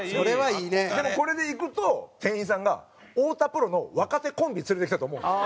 でもこれで行くと店員さんが太田プロの若手コンビを連れてきたと思うんですよ。